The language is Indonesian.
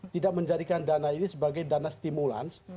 tidak menjadikan dana ini sebagai dana stimulans